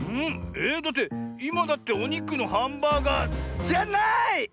えっだっていまだっておにくのハンバーガーじゃない！